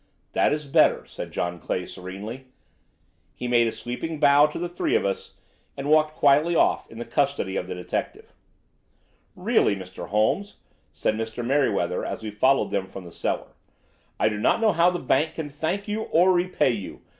"That is better," said John Clay serenely. He made a sweeping bow to the three of us and walked quietly off in the custody of the detective. "Really, Mr. Holmes," said Mr. Merryweather as we followed them from the cellar, "I do not know how the bank can thank you or repay you.